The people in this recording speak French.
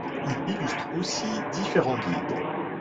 Il illustre aussi différents guides.